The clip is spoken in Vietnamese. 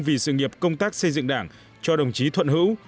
vì sự nghiệp công tác xây dựng đảng cho đồng chí thuận hữu